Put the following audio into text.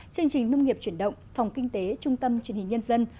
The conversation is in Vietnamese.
chương trình nông nghiệp chuyển động phòng kinh tế trung tâm truyền hình nhân dân